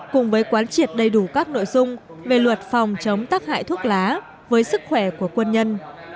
cùng với quán triệt đầy đủ các nội dung về luật phòng chống tắc hại thuốc lá với sức khỏe của quân nhân